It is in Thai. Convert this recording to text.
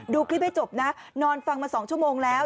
ดูคลิปให้จบนะนอนฟังมา๒ชั่วโมงแล้ว